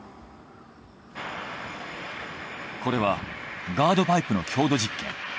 これはガードパイプの強度実験。